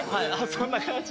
・そんな感じ？